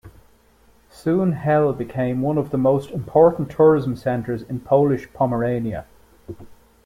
Soon Hel became one of the most important tourism centres in Polish Pomerania.